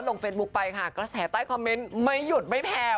เฟซบุ๊คไปค่ะกระแสใต้คอมเมนต์ไม่หยุดไม่แผ่ว